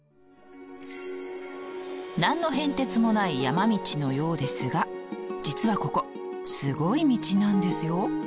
何の変哲もない山道のようですが実はここすごい道なんですよ。